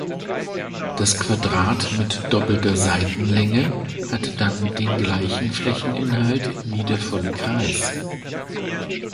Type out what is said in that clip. Das Quadrat mit doppelter Seitenlänge hat dann den gleichen Flächeninhalt wie der volle Kreis.